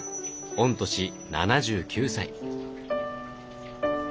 御年７９歳。